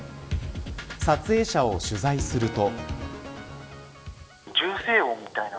撮影者を取材すると。